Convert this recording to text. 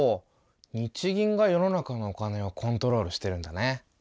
日銀が世の中のお金をコントロールしてるんだね。